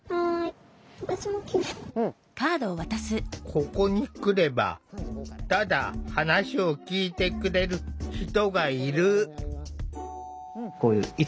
ここに来ればただ話を聴いてくれる人がいる。